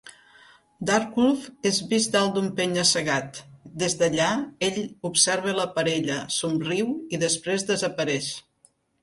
Darkwolf és vist dalt d'un penya-segat; des d'allà ell observa la parella, somriu i després desapareix.